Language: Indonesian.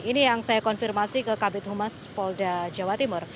ini yang saya konfirmasi ke kabit humas polda jawa timur